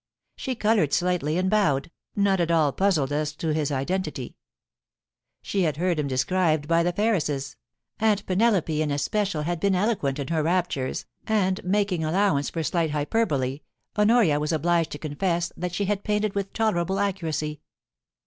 She coloured slightly, and bowed, not at all puzzled as to his identity. She had heard him described by the P'errises : Aunt Penelope in especial had been eloquent in her raptures, and, making allowance for slight hyperbole, Honoria was obliged to confess that she had painted him 152 POLICY AND PASSION. with tolerable accuracy.